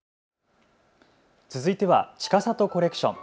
続いてはちかさとコレクション。